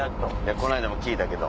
こないだも聞いたけど。